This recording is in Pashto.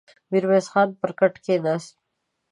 ميرويس خان پر کټ کېناست.